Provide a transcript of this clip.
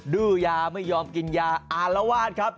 ดื้อยาไม่ยอมกินยาอารวาสครับ